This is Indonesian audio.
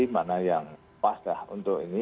mana yang pas lah untuk ini